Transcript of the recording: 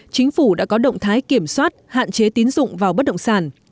chính phủ đã có động thái kiểm soát hạn chế tín dụng vào bất động sản